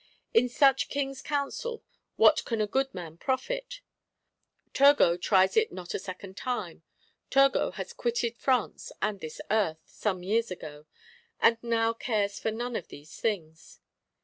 In such King's Council what can a good man profit? Turgot tries it not a second time: Turgot has quitted France and this Earth, some years ago; and now cares for none of these things.